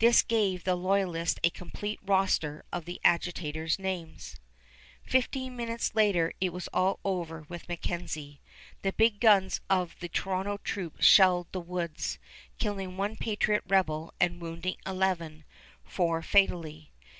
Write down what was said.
This gave the loyalists a complete roster of the agitators' names. [Illustration: ALLAN McNAB] Fifteen minutes later it was all over with MacKenzie. The big guns of the Toronto troops shelled the woods, killing one patriot rebel and wounding eleven, four fatally.